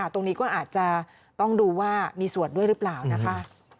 ตรงนี้ก็อาจจะต้องดูว่ามีส่วนด้วยหรือเปล่านะคะ